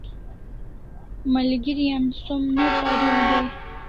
Malgeri an som ne pariu dai